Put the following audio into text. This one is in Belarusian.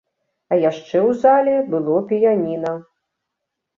А яшчэ ў зале было піяніна.